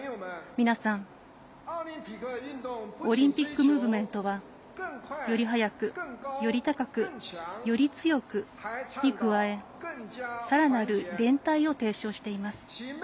皆さんオリンピックムーブメントはより速く、より高くより強くに加えさらなる連帯を提唱しています。